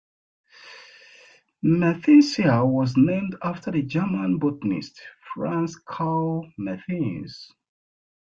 "Mertensia" was named after the German botanist, Franz Carl Mertens.